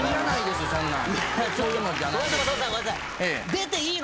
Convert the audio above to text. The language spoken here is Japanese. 出ていいの？